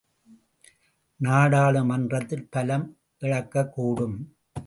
நாடாளுமன்றத்தில் பலம் இழக்கக்கூடும்!